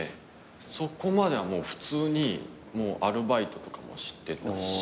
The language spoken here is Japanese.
そこまでは普通にアルバイトとかもしてたし。